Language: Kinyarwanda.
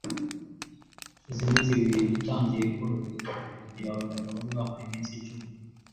Hashize iminsi ibiri natangiye koroherwa, mu gihe abaganga bari bampaye iminsi icumi